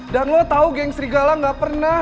dan lo tau ngestrigala gak pernah